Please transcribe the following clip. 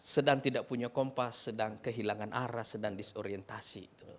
sedang tidak punya kompas sedang kehilangan arah sedang disorientasi